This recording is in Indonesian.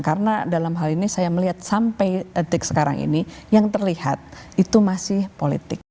karena dalam hal ini saya melihat sampai detik sekarang ini yang terlihat itu masih politik